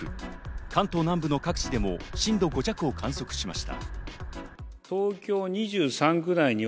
関東南部の各地でも震度５弱を観測しました。